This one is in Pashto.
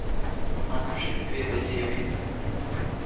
ماسپښين دوه بجې وې.